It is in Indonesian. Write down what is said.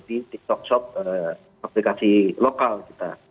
di tiktok shop aplikasi lokal kita